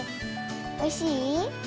おいしい？